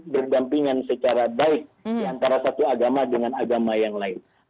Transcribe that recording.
berdampingan secara baik antara satu agama dengan agama yang lain